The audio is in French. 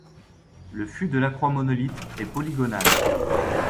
Le fût de la croix monolithe est polygonal.